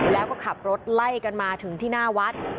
แล้วก็ขับรถไล่กันมาถึงที่หน้าวัด